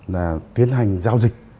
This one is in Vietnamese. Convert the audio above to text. là tiến hành giao dịch